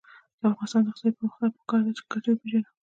د افغانستان د اقتصادي پرمختګ لپاره پکار ده چې ګټې وپېژنو.